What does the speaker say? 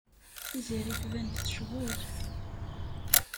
Tiziri tban-d tecɣel.